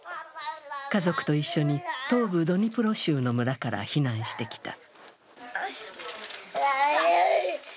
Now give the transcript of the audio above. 家族と一緒に東部ドニプロ州の村から避難してきた。